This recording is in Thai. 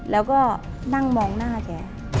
แล้วก็นั่งมองหน้าแก